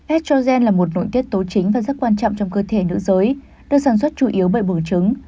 estrogen là một nội tiết tố chính và rất quan trọng trong cơ thể nữ giới được sản xuất chủ yếu bởi bưởng trứng